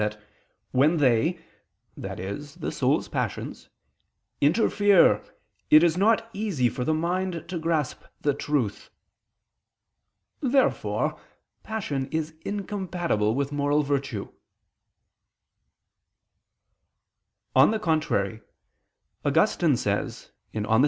that "when they," i.e. the soul's passions, "interfere, it is not easy for the mind to grasp the truth." Therefore passion is incompatible with moral virtue. On the contrary, Augustine says (De Civ.